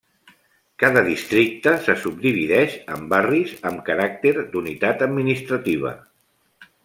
Cada districte se subdivideix en barris, amb caràcter d'unitat administrativa.